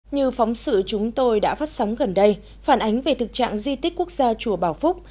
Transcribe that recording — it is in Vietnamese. như phóng sự chúng tôi đã phát sóng gần đây phản ánh về thực trạng di tích quốc gia chùa bảo phúc